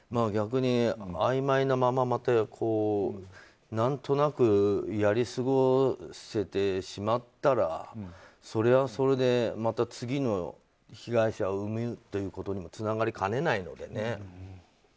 逆に、あいまいなまま何となくやり過ごせてしまったらそれはそれで、また次の被害者を生むということにもつながりかねないのでね。